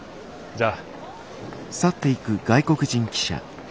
じゃあ。